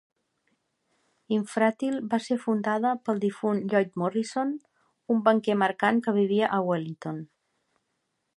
Infratil va ser fundada pel difunt Lloyd Morrison, un banquer mercant que vivia a Wellington.